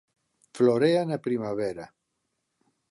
Florea na primavera.